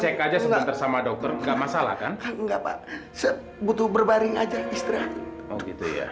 cek aja sebentar sama dokter enggak masalah kan enggak pak butuh berbaring aja istirahat oh gitu ya